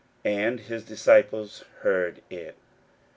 And his disciples heard it.